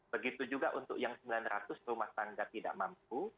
begitu juga untuk yang sembilan ratus rumah tangga tidak mampu